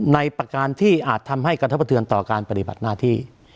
ประการที่อาจทำให้กระทบกระเทือนต่อการปฏิบัติหน้าที่